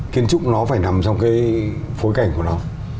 kiến trúc nó phải nằm trong cái phối cảnh của nó